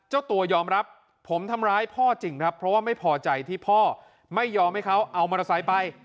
เจ้าตัวยอมรับผมทำร้ายพ่อจริงครับเพราะว่าไม่พอใจที่พ่อไม่ยอมให้เขาเอามอเตอร์ไซค์ไป